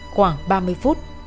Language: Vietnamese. khoảng ba mươi phút